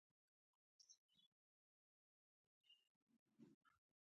ازادي راډیو د د کانونو استخراج په اړه د خلکو وړاندیزونه ترتیب کړي.